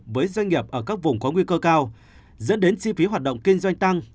với doanh nghiệp ở các vùng có nguy cơ cao dẫn đến chi phí hoạt động kinh doanh tăng